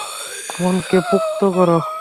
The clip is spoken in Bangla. মনকে পোক্ত করো!